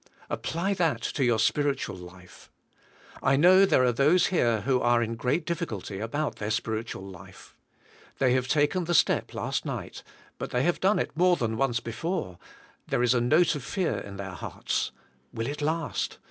Apply that to your spiritual life. I know there are those here who are in great diffi culty about their spiritual life. They have taken the step last night, but they have done it more than once before, there is a note of fear in their hearts. Will it last?